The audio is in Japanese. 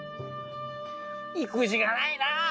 意気地がないな！